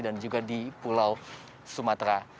dan juga di pulau sumatera